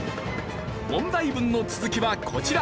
問題文の続きはこちら。